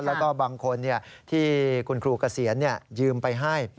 แล้วก็บางคนที่คุณครูเกษียณยืมไปให้